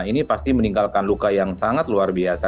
ini pasti meninggalkan luka yang sangat luar biasa